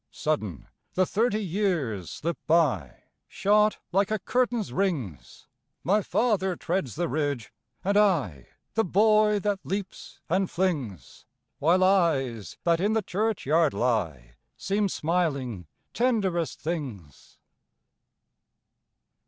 Sudden, the thirty years slip by, Shot like a curtain's rings ! My father treads the ridge, and I The boy that leaps and flings, While eyes that in the churchyard lie Seem smiling tenderest things.